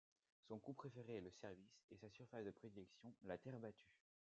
Son coup préféré est le service et sa surface de prédilection la terre battue.